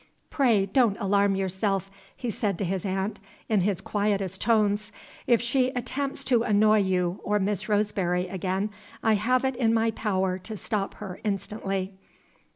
"Pray don't alarm yourself," he said to his aunt, in his quietest tones. "If she attempts to annoy you or Miss Roseberry again, I have it in my power to stop her instantly."